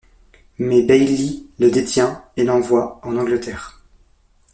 Mais Bayly le détient et l’envoie en Angleterre.